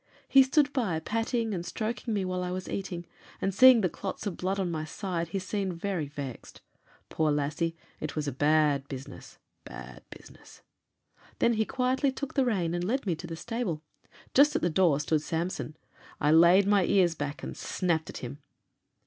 He stood by, patting and stroking me while I was eating, and seeing the clots of blood on my side he seemed very vexed. 'Poor lassie! it was a bad business, a bad business;' then he quietly took the rein and led me to the stable; just at the door stood Samson. I laid my ears back and snapped at him.